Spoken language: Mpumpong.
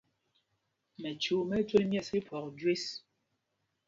Mɛchuu mɛ́ ɛ́ jwel ̀yɛ̂ɛs tí phwɔk jüés.